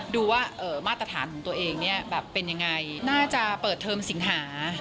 ดูว่ามาตรฐานของตัวเองเนี่ยแบบเป็นยังไงน่าจะเปิดเทอมสิงหา